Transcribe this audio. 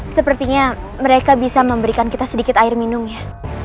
sepertinya mereka bisa memberikan kita sedikit air minumnya